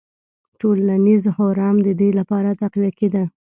ټولنیز هرم د دې لپاره تقویه کېده.